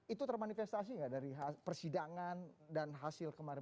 itu termanifestasi nggak dari persidangan dan hasil kemarin